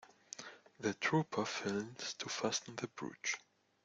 The trooper fails to fasten the brooch.